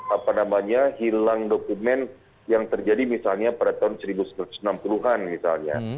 apa namanya hilang dokumen yang terjadi misalnya pada tahun seribu sembilan ratus enam puluh an misalnya